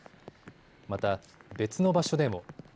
また別の場所でも。